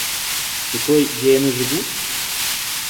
Ці той, дзе яны жывуць?